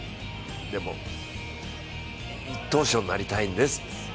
でも、１等賞になりたいんですって。